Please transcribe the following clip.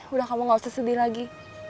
udah kamu gak usah sedih lagi